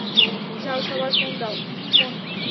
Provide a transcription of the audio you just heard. যাও সবার ফোন দাও, ফোন!